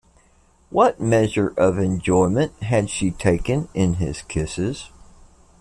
What measure of enjoyment had she taken in his kisses?